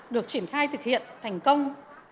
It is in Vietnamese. được triển khai thực hiện thành công